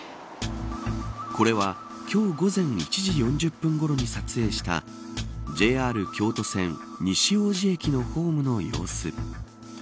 これは今日午前１時４０分ごろに撮影したＪＲ京都線西大路駅のホームの様子。